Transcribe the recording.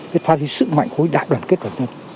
phát đi sự mạnh khối đại đoàn kết của dân